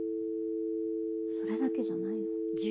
それだけじゃないの。